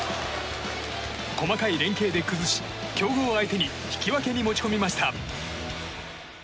細かい連係で崩し強豪相手に引き分けに持ち込みました。